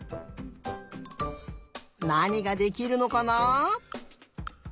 なにができるのかなあ？